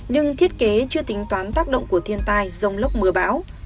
nhưng thiết kế chưa tính toán tác động của thiên tai dông lốc mưa bão